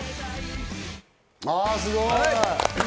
あ、すごい。